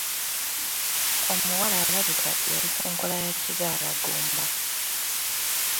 Omuwala abika yali ku nkola ya kizaala ggumba.